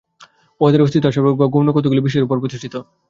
উহাদের অস্তিত্ব অসার বা গৌণ কতকগুলি বিষয়ের উপরে প্রতিষ্ঠিত।